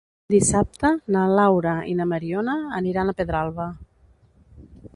Dissabte na Laura i na Mariona aniran a Pedralba.